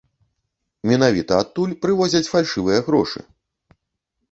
Менавіта адтуль прывозяць фальшывыя грошы.